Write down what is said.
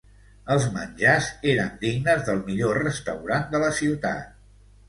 Els menjars eren dignes del millor restaurant de la ciutat.